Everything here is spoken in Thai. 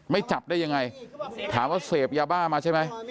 จับได้ยังไงถามว่าเสพยาบ้ามาใช่ไหม